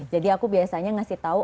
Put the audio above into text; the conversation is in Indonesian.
jadi aku biasanya ngasih tau